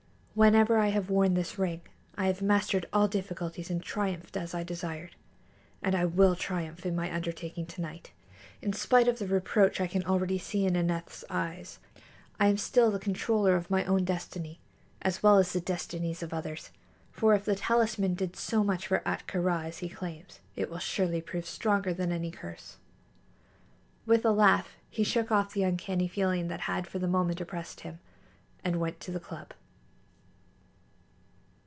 Whenever I have worn this ring I have mastered all difficulties and triumphed as I desired; and I will triumph in my undertaking to night, in spite of the reproach I can already see in Aneth's eyes. I am still the controller of my own destiny as well as the destinies of others; for if the talisman did so much for Ahtka Rā as he claims, it will surely prove stronger than any curse." With a laugh he shook off the uncanny feeling that had for the moment oppressed him, and went to the club.